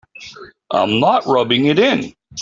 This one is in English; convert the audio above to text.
I'm not rubbing it in.